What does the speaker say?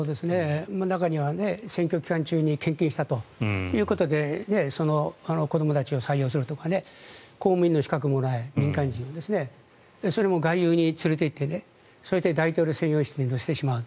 中には選挙期間中に献金したということでその子どもたちを採用するとか公務員の資格もない民間人をそれも外遊に連れていって大統領専用機に乗せてしまう。